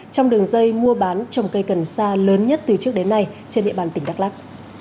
trong đường dây mua bán trồng cây cần sa lớn nhất từ trước đến nay trên địa bàn tỉnh đắk lắc